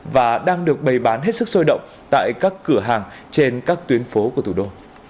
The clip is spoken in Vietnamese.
và đang được bày bán hết sức sôi động tại các cửa hàng trên các tuyến phố của thủ đô